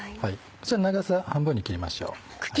長さ半分に切りましょう。